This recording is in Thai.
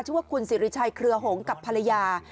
ชื่อว่าคุณสิริชัยเครือหงกับภรรยา